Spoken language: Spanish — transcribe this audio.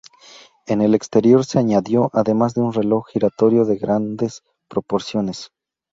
En el exterior se añadió además un reloj giratorio de grandes proporciones.